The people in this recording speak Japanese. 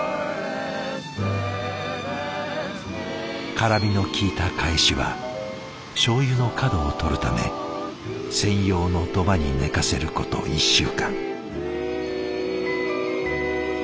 辛みのきいたかえしはしょうゆの角をとるため専用の土間に寝かせること１週間。